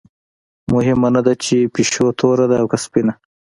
مهمه نه ده چې پیشو توره ده او که سپینه.